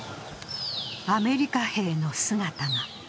アメリカ兵の姿が。